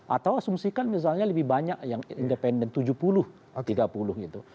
atau asumsikan misalnya lebih banyak yang independen tujuh puluh tiga puluh gitu